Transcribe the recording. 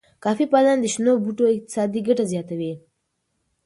کافی پالنه د شنو بوټو اقتصادي ګټه زیاتوي.